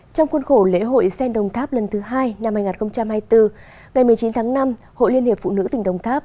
trong khuôn khổ lễ hội sen đồng tháp lần thứ hai năm hai nghìn hai mươi bốn ngày một mươi chín tháng năm hội liên hiệp phụ nữ tỉnh đồng tháp